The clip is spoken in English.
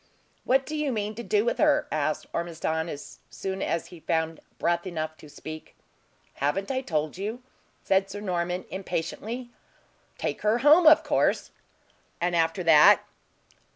"What do you mean to do with her?" asked Ormiston, as soon as he found breath enough to speak. "Haven't I told you?" said Sir Norman, impatiently. "Take her home, of course." "And after that?"